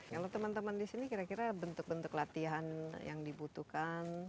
jadi teman teman di sini kira kira bentuk bentuk latihan yang dibutuhkan